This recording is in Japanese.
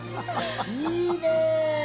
いいね。